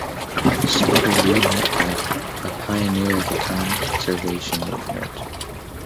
Senator Lee Metcalf, a pioneer of the conservation movement.